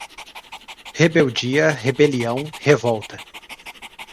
Rebeldia, rebelião, revolta